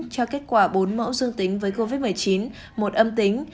cho kết quả bốn mẫu dương tính với covid một mươi chín một âm tính